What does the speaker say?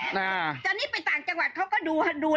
อันนี้ไปต่างจังหวัดเขาก็ดูแลให้